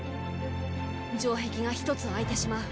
城壁が一つ空いてしまう。